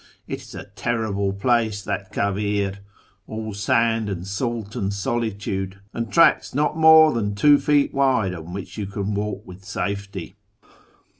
It is a terrible place that kavir ! All sand and salt and solitude, and tracks not more than two feet wide on which you can w^alk with safety.